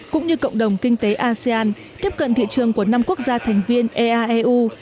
cũng như cộng đồng kinh tế asean tiếp cận thị trường của năm quốc gia thành viên eaeu